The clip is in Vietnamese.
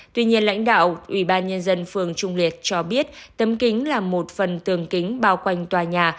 tuy nhiên lãnh đạo ubnd phường trung liệt cho biết tấm kính là một phần tường kính bao quanh tòa nhà